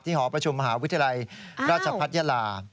หอประชุมมหาวิทยาลัยราชพัฒนยาลา